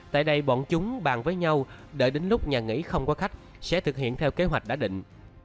tại đây bọn chúng bàn với nhau đợi đến lúc nhà nghỉ không có khách sẽ thực hiện theo kế hoạch đã định